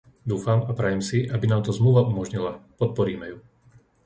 Dúfam a prajem si, aby nám to Zmluva umožnila. Podporíme ju.